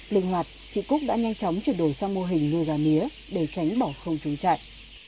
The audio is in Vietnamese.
linh hoạt chị cúc đã nhanh chóng chuyển đổi sang mô hình nuôi gà mía để tránh bỏ không trốn chạy